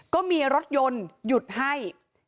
ก็มีรถยนต์หยุดให้